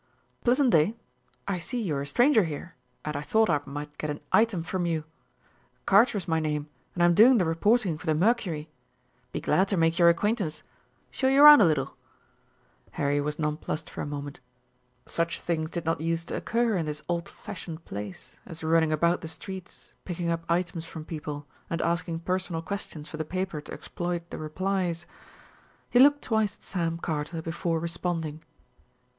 "Pleasant day. I see you're a stranger here, and I thought I might get an item from you. Carter's my name, and I'm doing the reporting for the Mercury. Be glad to make your acquaintance. Show you round a little." Harry was nonplussed for a moment. Such things did not use to occur in this old fashioned place as running about the streets picking up items from people and asking personal questions for the paper to exploit the replies. He looked twice at Sam Carter before responding.